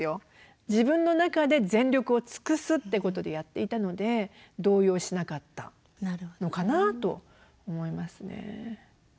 自分の中で全力を尽くすってことでやっていたので動揺しなかったのかなと思いますね。